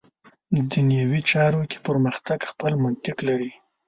دنیوي چارو کې پرمختګ خپل منطق لري.